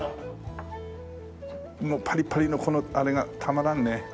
もうパリパリのこのあれがたまらんね。